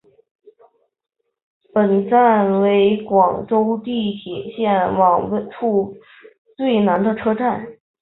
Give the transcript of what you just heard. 本站为广州地铁线网位处最南的车站。